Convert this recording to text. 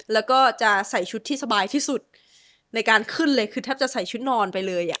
แล้วก็จะใส่ชุดที่สบายที่สุดในการขึ้นเลยคือแทบจะใส่ชุดนอนไปเลย